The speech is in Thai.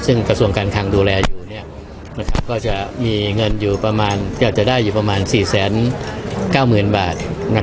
ซึ่งกระทรวงการคังดูแลอยู่ก็จะได้อยู่ประมาณ๔๙๙๐๐๐บาท